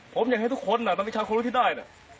ผมอยากให้ทุกคนนักวิชาคนรู้ที่ได้